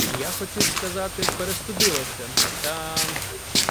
— Я хотів сказати — перестудилася, та.